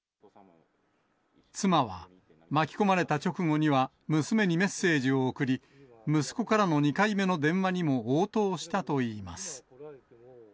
妻は巻き込まれた直後には、娘にメッセージを送り、息子からの２回目の電話にも応答したといいます。